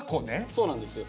そうなんです。